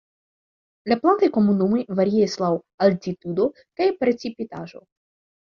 La plantaj komunumoj varias laŭ altitudo kaj precipitaĵo.